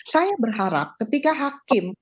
saya berharap ketika hakim